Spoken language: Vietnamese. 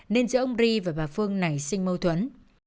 nên giữa ông ri và bà phương nảy sinh mâu thuẫn